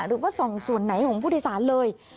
หรือว่าส่องส่วนไหนของผู้โดยสารเลย